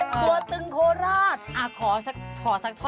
กัวตึงโคราช